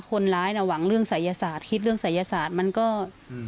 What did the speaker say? คนร้ายน่ะหวังเรื่องศัยศาสตร์คิดเรื่องศัยศาสตร์มันก็อืม